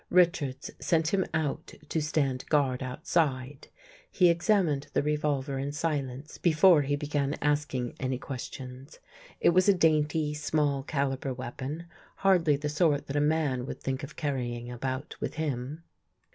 Richards sent him out to stand guard outside. He examined the revolver in silence before he began asking any questions. It was a dainty, small caliber weapon, hardly the sort that a man would think of carrying about with him.